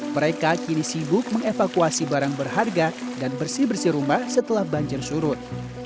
mereka kini sibuk mengevakuasi barang berharga dan bersih bersih rumah setelah banjir surut